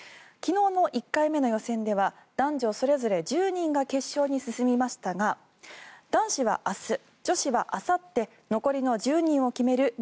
昨日の１回目の予選では男女それぞれ１０人が決勝に進みましたが男子は明日、女子はあさって残りの１０人を決める